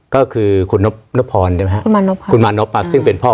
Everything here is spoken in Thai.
ก็คือคุณมาณปัก